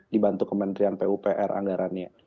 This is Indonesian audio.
dibantu kementrian pupr anggarannya